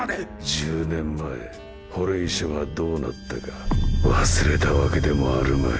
１０年前ホレイショがどうなったか忘れたわけでもあるまい。